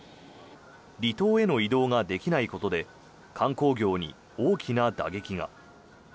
離島への移動ができないことで観光業に大きな打撃が。